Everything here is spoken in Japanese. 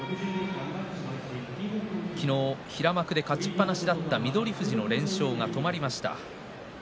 昨日、平幕で勝ちっぱなしだった翠富士の連勝が止まりました。